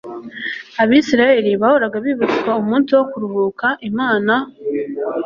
Abisirayeli bahoraga bibutswa umunsi wo kuruhuka Imana